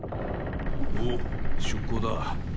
おっ出港だ。